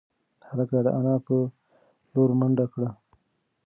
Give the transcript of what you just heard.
هلک د انا په لور منډه کړه.